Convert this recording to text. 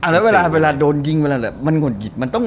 ก็เวลาโดนยิงโวนหยิด